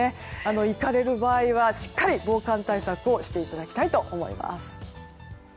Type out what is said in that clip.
行かれる場合はしっかり防寒対策をしていただきたいと思います。